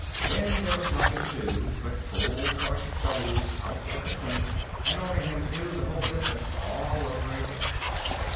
Then there was nothing to do but pull Sergeant Bellews out of the clink and order him to do the whole business all over again.